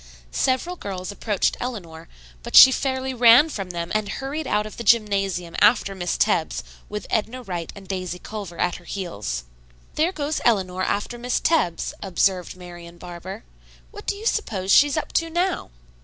Several girls approached Eleanor, but she fairly ran from them and hurried out of the gymnasium after Miss Tebbs with Edna Wright and Daisy Culver at her heels. "There goes Eleanor after Miss Tebbs," observed Marian Barber. "What do you suppose she's up to now?"